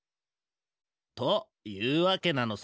というわけなのさ。